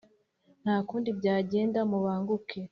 nta kundi byagenda; mubanguke